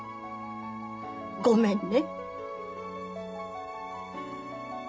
ごめんね。